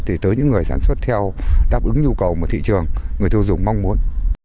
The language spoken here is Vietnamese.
thì tới những người sản xuất theo đáp ứng nhu cầu mà thị trường người tiêu dùng mong muốn